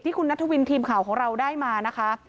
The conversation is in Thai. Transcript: คุณนัทวินทีมข่าวของเราได้มานะคะ